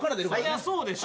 そりゃそうでしょ。